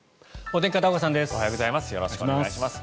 おはようございます。